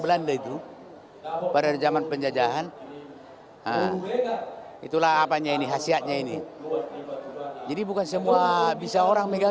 belanda itu pada zaman penjajahan itulah apanya ini khasiatnya ini jadi bukan semua bisa orang megang